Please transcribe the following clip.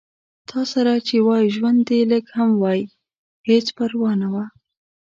تاسره چې وای ژوند دې لږ هم وای هېڅ پرواه نه وه